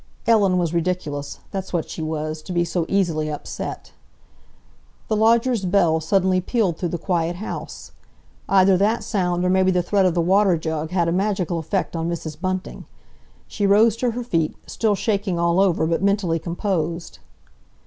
Ellen was ridiculous—that's what she was, to be so easily upset. The lodger's bell suddenly pealed through the quiet house. Either that sound, or maybe the threat of the water jug, had a magical effect on Mrs. Bunting. She rose to her feet, still shaking all over, but mentally composed.